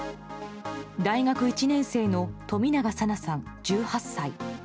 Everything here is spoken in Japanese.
大学１年生の冨永紗菜さん、１８歳。